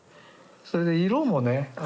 それで色もね